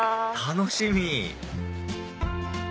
楽しみ！